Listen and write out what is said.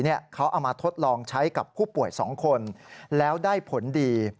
เขาเอามาทดลองใช้กับผู้ป่วย๒คนแล้วได้ผลดี